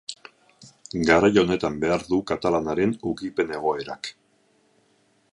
Garai honetan behar du katalanaren ukipen egoerak.